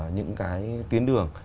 những cái tuyến đường